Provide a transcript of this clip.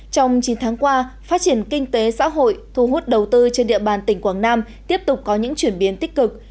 trong chín tháng qua phát triển kinh tế xã hội thu hút đầu tư trên địa bàn tỉnh quảng nam tiếp tục có những chuyển biến tích cực